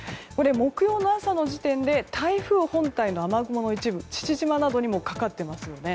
木曜の朝の時点で台風本体の雨雲の一部が父島などにかかっていますよね。